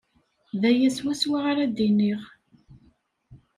D aya swaswa ara d-iniɣ.